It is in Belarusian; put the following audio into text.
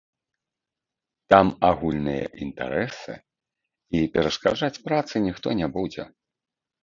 Там агульныя інтарэсы, і перашкаджаць працы ніхто не будзе.